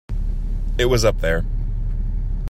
It was up there.